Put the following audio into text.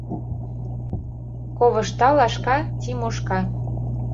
Ковышта лашка — Тимошка.